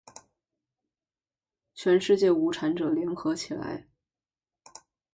全世界无产者，联合起来！